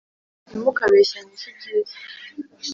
Ntimukabeshyane sibyiza.